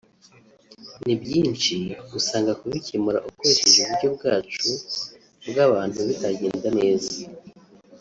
ni byinshi usanga kubikemura ukoresheje uburyo bwacu bw’abantu bitagenda neza